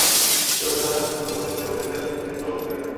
জবাবে তাঁরা দুঃখ প্রকাশ করে ভবিষ্যতে আচরণবিধি মেনে চলার অঙ্গীকার করেন।